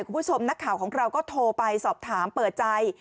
คุณผู้ชมนักข่าวของเราก็โทรไปสอบถามเปิดใจ